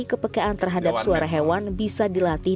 kepekaan terhadap suara hewan bisa dilatih